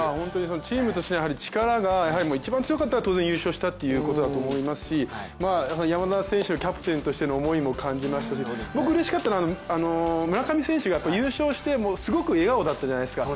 チームとしての力が一番強かったから優勝したってことだと思いますし山田選手のキャプテンとしての気持ちも感じましたし僕、うれしかったのが村上選手が優勝してすごく笑顔だったじゃないですか。